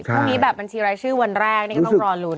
พรุ่งนี้แบบบัญชีรายชื่อวันแรกนี่ก็ต้องรอลุ้น